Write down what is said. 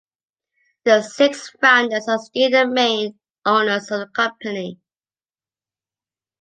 The six founders are still the main owners of the company.